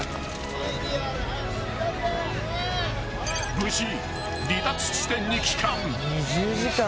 ［無事離脱地点に帰還］